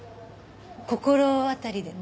心当たりでも？